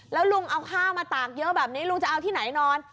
แล้วลุงเอาข้าวมาตากเยอะแบบนี้ลุงจะเอาที่ไหนนอน